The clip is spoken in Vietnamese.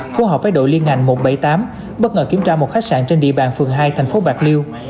phù hợp với đội liên ngành một trăm bảy mươi tám bất ngờ kiểm tra một khách sạn trên địa bàn phường hai thành phố bạc liêu